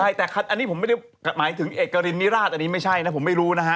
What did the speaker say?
ใช่แต่อันนี้ผมไม่ได้หมายถึงเอกรินนิราชอันนี้ไม่ใช่นะผมไม่รู้นะฮะ